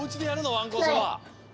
わんこそば。